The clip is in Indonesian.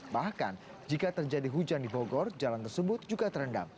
bahkan jika terjadi hujan di bogor jalan tersebut juga terendam